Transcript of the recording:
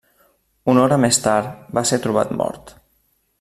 Una hora més tard, va ser trobat mort.